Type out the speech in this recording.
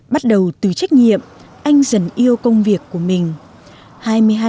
bắt đầu từ trách nhiệm anh dần yêu công việc của mình